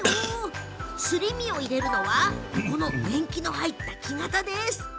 すり身を入れるのはこの、年季の入った木型。